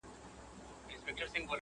څو پړسېدلي د پردیو په کولمو ټپوسان!.